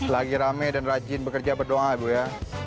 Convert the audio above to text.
lagi rame dan rajin bekerja berdoa ibu ya